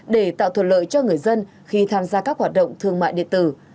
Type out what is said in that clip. để tạo thuật lợi cho người dân khi tham gia các hoạt động thương mại địa tử